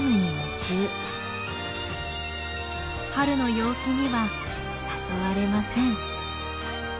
春の陽気には誘われません。